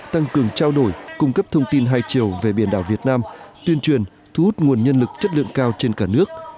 tăng cường trao đổi cung cấp thông tin hai chiều về biển đảo việt nam tuyên truyền thu hút nguồn nhân lực chất lượng cao trên cả nước